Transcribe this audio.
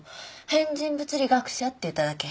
変人物理学者って言っただけ。